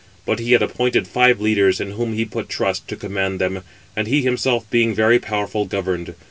But he had appointed five leaders, in whom he put trust, to command them; and he himself, being very powerful, governed.